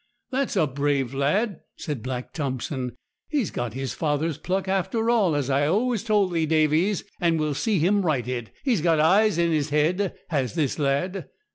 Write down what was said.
'That's a brave lad!' said Black Thompson; 'he's got his father's pluck after all, as I've always told thee, Davies, and we'll see him righted. He's got his eyes in his head, has this lad!'